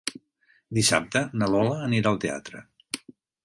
Dissabte na Lola anirà al teatre.